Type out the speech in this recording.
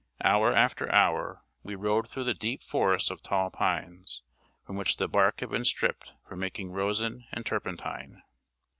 Hour after hour, we rode through the deep forests of tall pines, from which the bark had been stripped for making rosin and turpentine.